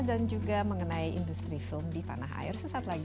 dan juga mengenai industri film di tanah air